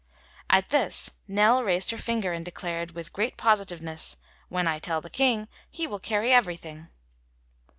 At this Nell raised her finger and declared with great positiveness: "When I tell the King, he will carry everything."